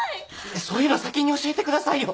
そういうの先に教えてくださいよ。